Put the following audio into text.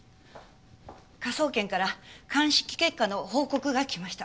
科捜研から鑑識結果の報告が来ました。